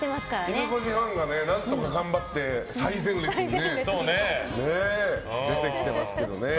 いぬこじファンが何とか頑張って最前列に出てきてますけど。